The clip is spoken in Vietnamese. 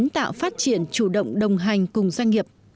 tạo phát triển chủ động đồng hành cùng doanh nghiệp